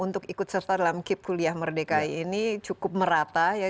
untuk ikut serta dalam kip kuliah merdeka ini cukup merata ya